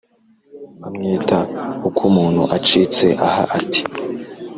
bamwita akumuntu; acitse aha, ati: